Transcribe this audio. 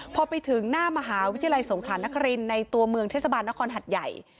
พอไปถึงหน้ามหาวิทยาลัยสงขานครินในตัวเมืองเทศบาลนครหัดใหญ่